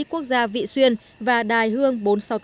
quốc gia vị xuyên và đài hương bốn trăm sáu mươi tám